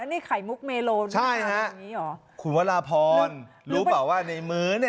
นี่ไข่มุกเมโลนะใช่ฮะอย่างงี้เหรอคุณวราพรรู้เปล่าว่าในมื้อเนี่ย